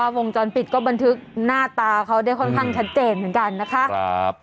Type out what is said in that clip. วงจรปิดก็บันทึกหน้าตาเขาได้ค่อนข้างชัดเจนเหมือนกันนะคะ